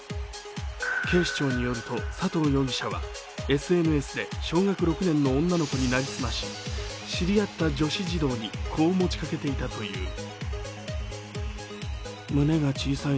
警視庁によると、佐藤容疑者はＳＮＳで小学６年生の女の子になりすまし知り合った女子児童にこう持ちかけていたという。